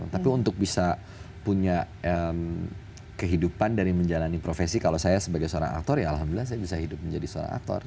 tapi untuk bisa punya kehidupan dari menjalani profesi kalau saya sebagai seorang aktor ya alhamdulillah saya bisa hidup menjadi seorang aktor